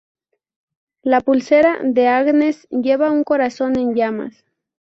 La pulsera de Agnes lleva un corazón en llamas.